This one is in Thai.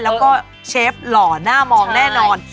แล้วก็เชฟหล่อหน้ามองแน่นอน